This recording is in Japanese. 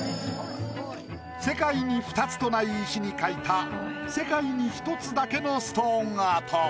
世界に２つとない石に描いた世界に１つだけのストーンアート。